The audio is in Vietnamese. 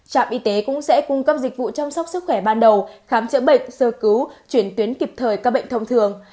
trạm y tế cũng sẽ cung cấp dịch vụ chăm sóc sức khỏe ban đầu khám chữa bệnh sơ cứu chuyển tuyến kịp thời các bệnh thông thường